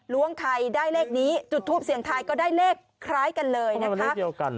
ล้วงไข่ได้เลขนี้จุดทูปเสียงทายก็ได้เลขคล้ายกันเลยนะคะ